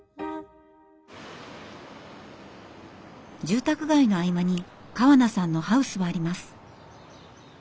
住宅街の合間に川名さんのハウスはあります。